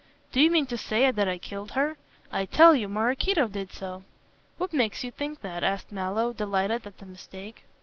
"Do you mean to say that I killed her? I tell you, Maraquito did so." "What makes you think that?" asked Mallow, delighted at the mistake.